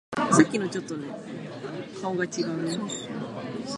As the fragment happens there is unequal divisions of such fragments.